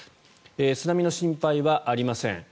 津波の心配はありません。